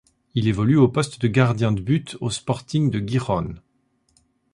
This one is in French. Il évolue au poste de gardien de but au Sporting de Gijón.